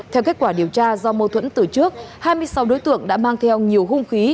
theo kết quả điều tra do mâu thuẫn từ trước hai mươi sáu đối tượng đã mang theo nhiều hung khí